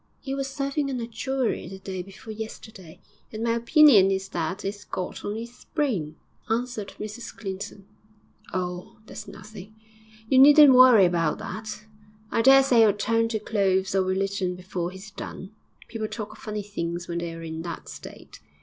''E was serving on a jury the day before yesterday, and my opinion is that it's got on 'is brain,' answered Mrs Clinton. 'Oh, that's nothing. You needn't worry about that. I daresay it'll turn to clothes or religion before he's done. People talk of funny things when they're in that state.